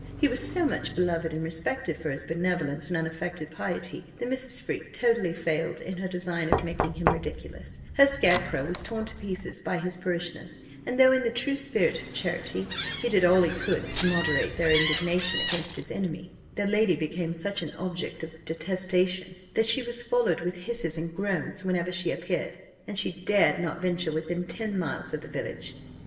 He was so much beloved and respected for his benevolence and unaffected piety, that Mrs. Freke totally failed in her design of making him ridiculous; her scarecrow was torn to pieces by his parishioners; and though, in the true spirit of charity, he did all he could to moderate their indignation against his enemy, the lady became such an object of detestation, that she was followed with hisses and groans whenever she appeared, and she dared not venture within ten miles of the village.